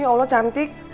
ya allah cantik